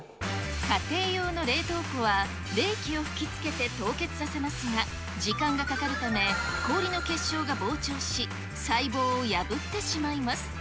家庭用の冷凍庫は、冷気を吹きつけて凍結させますが、時間がかかるため、氷の結晶が膨張し、細胞を破ってしまいます。